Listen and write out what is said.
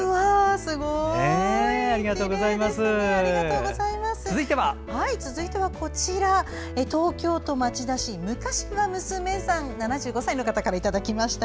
すごい！続いては東京都町田市むかしは娘さん７５歳の方からいただきました。